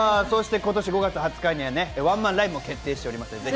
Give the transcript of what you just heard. そして今年５月２０日にはワンマンライブも決定しています。